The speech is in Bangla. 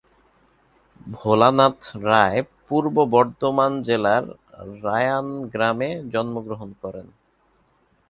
ভোলানাথ রায় পূর্ব বর্ধমান জেলার রায়ান গ্রামে জন্মগ্রহন করেন।